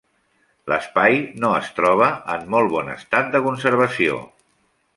L'espai no es troba en molt bon estat de conservació.